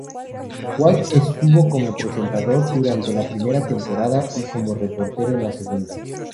Wald estuvo como presentador durante la primera temporada, y como reportero en la segunda.